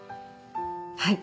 はい。